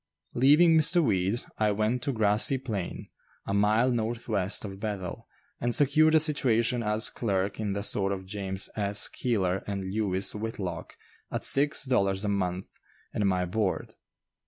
Leaving Mr. Weed, I went to Grassy Plain, a mile northwest of Bethel, and secured a situation as clerk in the store of James S. Keeler & Lewis Whitlock at six dollars a month and my board.